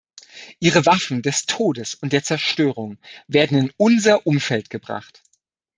Ihre Waffen des Todes und der Zerstörung werden in unser Umfeld gebracht.